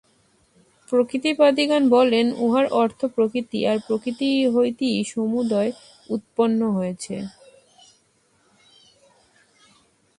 প্রকৃতিবাদিগণ বলেন, উহার অর্থ প্রকৃতি, আর প্রকৃতি হইতেই সমুদয় উৎপন্ন হইয়াছে।